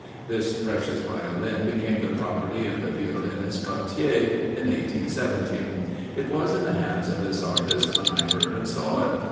This precious Violin became the property of the violinist Cartier in 1817; it was in the hands of this artist when I heard and saw it.